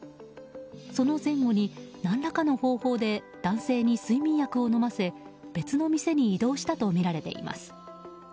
その前後に何らかの方法で男性に睡眠薬を飲ませ、別の店に移動したとみられています。